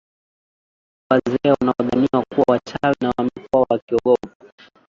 Baadhi ya wazee wanaodhaniwa kuwa wachawi na wamekuwa wakiogopwa